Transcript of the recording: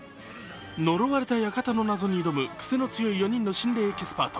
呪われた館の謎に挑む癖の強い４人の心霊エキスパート。